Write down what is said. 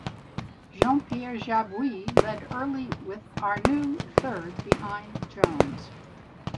Jean-Pierre Jabouille led early with Arnoux third behind Jones.